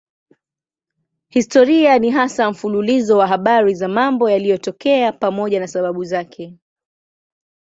Historia ni hasa mfululizo wa habari za mambo yaliyotokea pamoja na sababu zake.